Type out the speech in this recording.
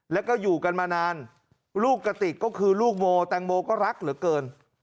แล้วก็อยู่กันมานานลูกกติกก็คือลูกโมแตงโมก็รักเหลือเกิน